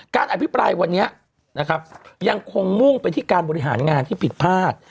อภิปรายวันนี้นะครับยังคงมุ่งไปที่การบริหารงานที่ผิดพลาด